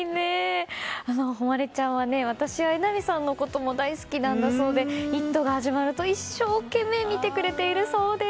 帆稀ちゃんは私や榎並さんのことも大好きなんだそうで「イット！」が始まると一生懸命見てくれているそうです。